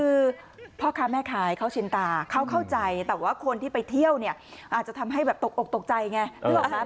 คือพ่อค้าแม่ค้าเขาชินตาเขาเข้าใจแต่ว่าคนที่ไปเที่ยวเนี่ยอาจจะทำให้แบบตกอกตกใจไงนึกออกไหม